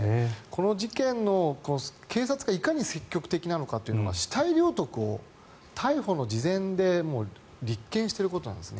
この事件の、警察がいかに積極的なのかというのを死体領得を逮捕の事前でもう立件してることなんです。